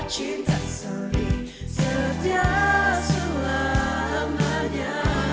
cinta saling setia selamanya